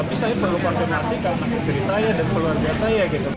tapi saya perlu koordinasi karena istri saya dan keluarga saya gitu